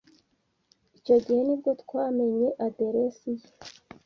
Icyo gihe ni bwo twamenye aderesi ye.